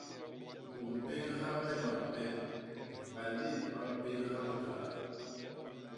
U mpégha me mapep; balét ba mpégha bikaat.